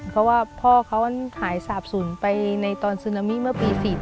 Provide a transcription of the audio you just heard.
เพราะว่าพ่อเขาหายสาบศูนย์ไปในตอนซึนามิเมื่อปี๔๘